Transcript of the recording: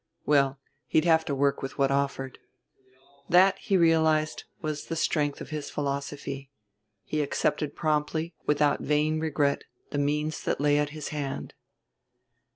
Well, he'd have to work with what offered. That, he realized, was the strength of his philosophy he accepted promptly, without vain regret, the means that lay at his hand.